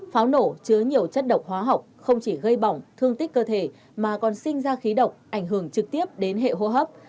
pháo nổ chứa nhiều chất độc hóa học không chỉ gây bỏng thương tích cơ thể mà còn sinh ra khí độc ảnh hưởng trực tiếp đến hệ hô hấp